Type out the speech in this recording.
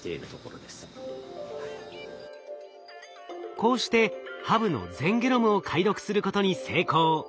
こうしてハブの全ゲノムを解読することに成功。